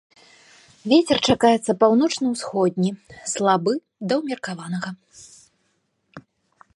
Вецер чакаецца паўночна-ўсходні, слабы да ўмеркаванага.